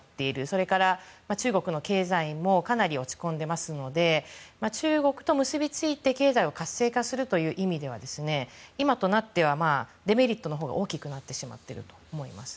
それから、中国の経済もかなり落ち込んでいますので中国と結びついて経済を活性化するという意味では今となってはデメリットのほうが大きくなってしまっていると思います。